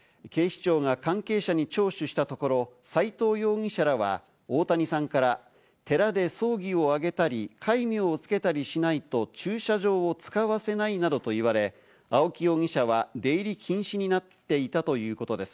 警視庁が関係者に聴取したところ、斎藤容疑者らは大谷さんから寺で葬儀をあげたり、戒名をつけたりしないと駐車場を使わせないなどと言われ、青木容疑者は出入り禁止になっていたということです。